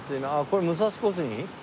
これ武蔵小杉？